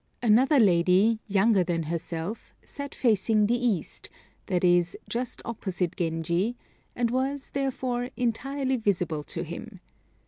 Another lady, younger than herself, sat facing the east that is, just opposite Genji and was, therefore, entirely visible to him.